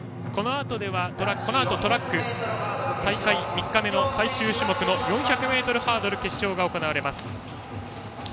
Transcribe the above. このあとのトラックでは大会３日目の最終種目の４００ｍハードル決勝が行われます。